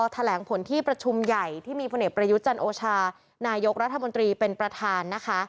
แถลงผลที่ประชุมใหญ่ที่มีพลเอกประยุทธ์จันโอชานายกรัฐมนตรีเป็นประธานนะคะ